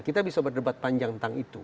kita bisa berdebat panjang tentang itu